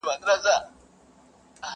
لار سوه ورکه له سپاهیانو غلامانو٫